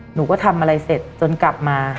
หนูก็ทำอะไรเสร็จจนกลับมา